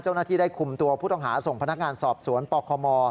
เจ้าหน้าที่ได้คุมตัวผู้ต้องหาส่งพนักงานสอบสวนปคม